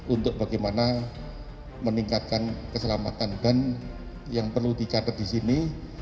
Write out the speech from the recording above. untuk bagaimana meningkatkan keselamatan dan yang perlu dicatat di sini